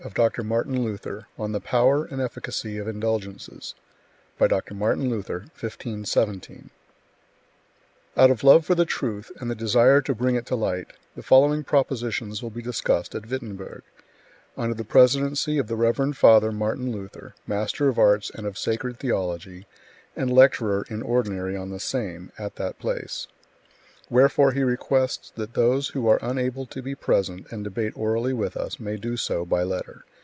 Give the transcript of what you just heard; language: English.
Holman Company, 1915), Vol.1, pp. 29 38 _______________ Out of love for the truth and the desire to bring it to light, the following propositions will be discussed at Wittenberg, under the presidency of the Reverend Father Martin Luther, Master of Arts and of Sacred Theology, and Lecturer in Ordinary on the same at that place. Wherefore he requests that those who are unable to be present and debate orally with us, may do so by letter.